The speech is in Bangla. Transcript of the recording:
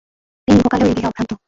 তিনি ইহকালেও এই দেহে অভ্রান্ত।